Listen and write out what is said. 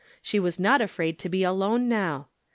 She was not afraid to be alone now.